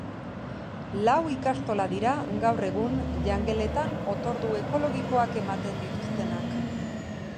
Lau ikastola dira gaur egun jangeletan otordu ekologikoak ematen dituztenak.